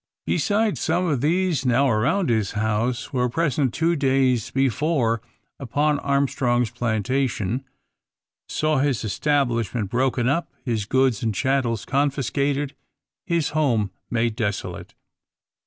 Besides, some of these now around his house were present two days before upon Armstrong's plantation; saw his establishment broken up, his goods and chattels confiscated, his home made desolate.